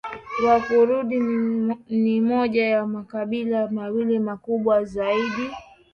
Wakurdi ni moja ya makabila mawili makubwa zaidi